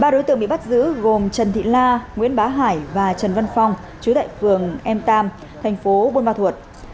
ba đối tượng bị bắt giữ gồm trần thị la nguyễn bá hải và trần văn phong trú tại phường m ba thành phố buôn hoa thuột